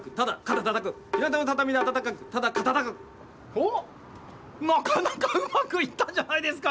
おっなかなかうまくいったじゃないですか。